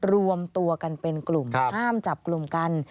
รวมตัวกันเป็นกลุ่มห้ามจับกลุ่มกัน